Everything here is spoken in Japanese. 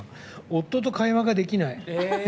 夫と会話ができない。